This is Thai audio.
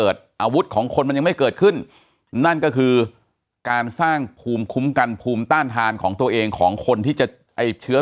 ที่เชื้อตัวนี้มันจะอยู่กับเราไปอีกสักประมาณ๑๘เดือนประมาณอย่างนี้ใช่ไหมอาจารย์